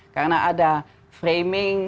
karena ada framing